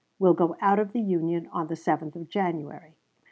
will go out of the Union on the 7th of January.